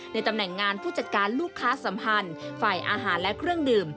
ตำแหน่งงานผู้จัดการลูกค้าสัมพันธ์ฝ่ายอาหารและเครื่องดื่ม